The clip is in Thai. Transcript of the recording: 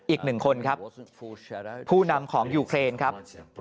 อีกหนึ่งคนครับผู้นำของยูเครนครับ